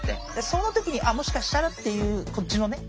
その時にあっもしかしたらっていうこっちのね